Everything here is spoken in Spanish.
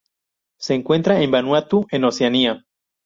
Se encuentra en Vanuatu en Oceanía.